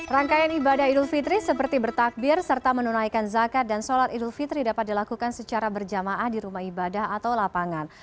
rangkaian ibadah idul fitri seperti bertakbir serta menunaikan zakat dan sholat idul fitri dapat dilakukan secara berjamaah di rumah ibadah atau lapangan